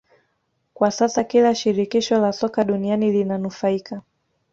Kwa sasa kila shirikisho la soka duniani linanufaika